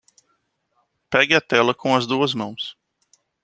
Pegue a tela com as duas mãos